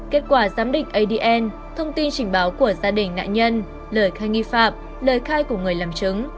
kết quả giám định adn thông tin trình báo của gia đình nạn nhân lời khai nghi phạm lời khai của người làm chứng